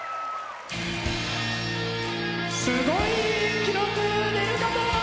すごい記録が出るかも。